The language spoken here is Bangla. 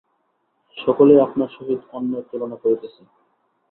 সকলেই আপনার সহিত অন্যের তুলনা করিতেছে।